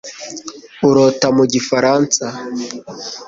urota mu gifaransa